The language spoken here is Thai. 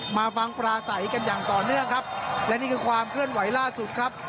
มาฟังปลาใสกันอย่างต่อเนื่องครับและนี่คือความเคลื่อนไหวล่าสุดครับ